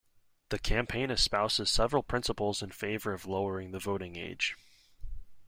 The campaign espouses several principles in favour of lowering the voting age.